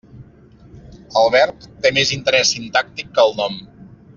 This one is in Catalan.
El verb té més interès sintàctic que el nom.